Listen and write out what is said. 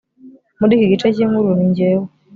muri iki gice cyinkuru ninjyewe